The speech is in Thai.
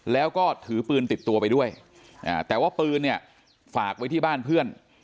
แล้วก็ถือปืนติดตัวไปด้วยแต่ว่าปืนเนี่ยฝากไว้ที่บ้านเพื่อน